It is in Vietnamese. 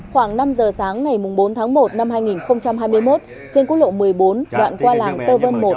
khoảng năm giờ sáng ngày bốn tháng một năm hai nghìn hai mươi một trên quốc lộ một mươi bốn đoạn qua làng tơ vân một